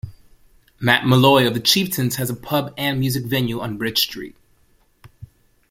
Matt Molloy of the Chieftains has a pub and music venue on Bridge Street.